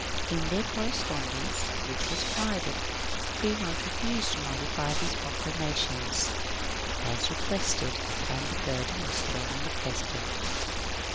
In their cor respondence, which was private, Fremont refused to modify his proclamation, as requested, and the burden was thrown on the President.